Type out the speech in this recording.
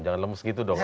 jangan lemes gitu dong